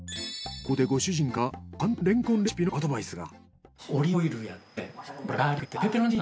ここでご主人から簡単レンコンレシピのアドバイスが。